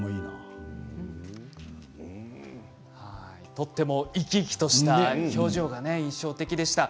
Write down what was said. とても生き生きとした表情が印象的でした。